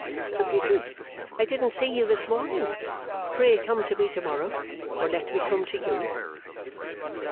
'A pity I didn't see you this morning. Pray come to me to morrow, or let me come to you.